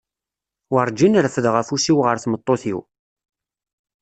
Warǧin refdeɣ afus-iw ɣer tmeṭṭut-iw.